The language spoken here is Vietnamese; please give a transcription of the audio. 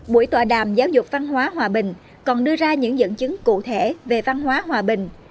buổi tọa đàm giáo dục văn hóa hòa bình còn đưa ra những dẫn chứng cụ thể về văn hóa hòa bình